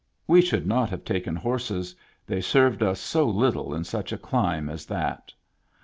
We should not have taken horses, they served us so little in such a climb as that.